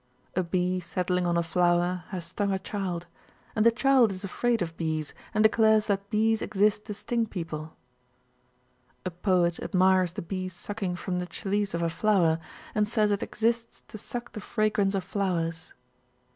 A bee settling on a flower has stung a child. And the child is afraid of bees and declares that bees exist to sting people. A poet admires the bee sucking from the chalice of a flower and says it exists to suck the fragrance of flowers.